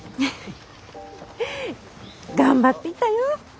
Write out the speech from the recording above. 頑張っていたよ！